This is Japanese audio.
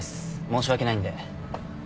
申し訳ないんで。